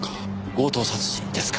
強盗殺人ですか。